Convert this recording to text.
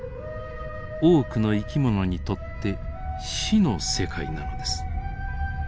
多くの生き物にとって死の世界なのです。